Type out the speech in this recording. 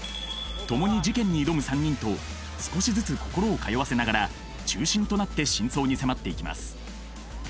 共に事件に挑む３人と少しずつ心を通わせながら中心となって真相に迫っていきます